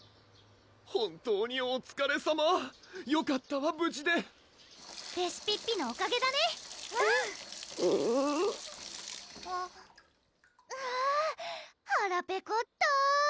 本当におつかれさまよかったわ無事でレシピッピのおかげだねうんあっあはらペコった！